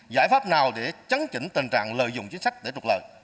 giải pháp nào để chấn chỉnh tình trạng lợi dụng chính sách để trục lợi